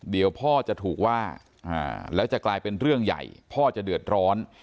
เดี๋ยวพ่อจะถูกว่าแล้วจะกลายเป็นเรื่องใหญ่พ่อจะเดือดร้อน